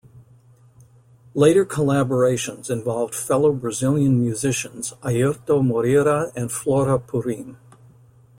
Later collaborations involved fellow Brazilian musicians Airto Moreira and Flora Purim.